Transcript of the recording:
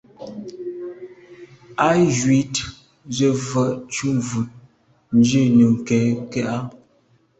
Á jíìt sə́ vhə̀ə́ thúvʉ́ dlíj Nùŋgɛ̀ kɛ́ɛ̀ á.